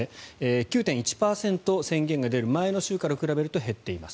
９．１％、宣言が出る前の週から比べると減っています。